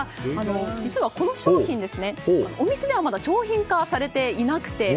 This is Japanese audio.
実は、この商品はお店ではまだ商品化されていなくて。